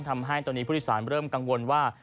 ทำให้ตอนนี้ผู้โดยสารเริ่มกังวลว่า